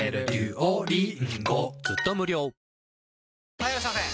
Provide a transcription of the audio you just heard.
・はいいらっしゃいませ！